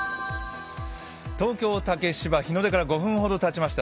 東京・竹芝、日の出から５分ほどたちました。